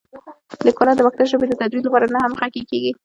لیکوالان د پښتو ژبې د تدوین لپاره نه همغږي کېږي.